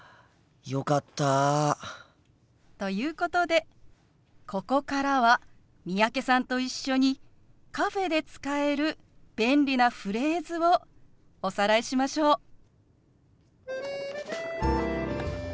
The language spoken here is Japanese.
よかった。ということでここからは三宅さんと一緒にカフェで使える便利なフレーズをおさらいしましょう。